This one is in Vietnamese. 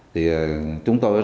thì chúng tôi